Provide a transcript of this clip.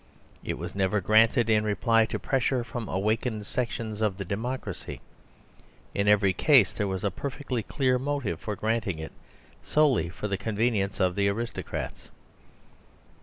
It was never granted in reply to pressure from awakened sections of the democracy; in every case there was a perfectly clear motive for granting it solely for the convenience of the aristocrats.